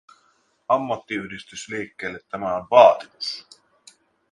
Ammattiyhdistysliikkeelle tämä on vaatimus.